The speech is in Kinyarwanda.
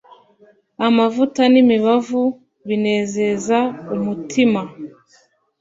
Amavuta n’imibavu binezeza umutima